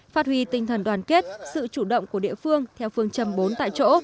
phát huy tinh thần đoàn kết sự chủ động của địa phương theo phương châm bốn tại chỗ